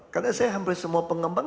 karena saya hampir semua pengembang